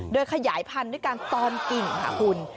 โดยขยายพันธุ์ด้วยการตอมกิ่งหาหุ่น